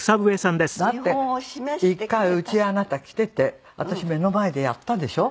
だって一回うちへあなた来ていて私目の前でやったでしょ。